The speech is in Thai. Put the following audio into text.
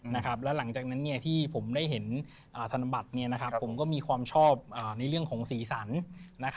แล้วหลังจากนั้นที่ผมได้เห็นธนบัตรผมก็มีความชอบในเรื่องของสีสัน